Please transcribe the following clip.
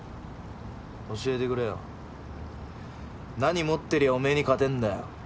教えてくれよ何持ってりゃおめぇに勝てんだよ。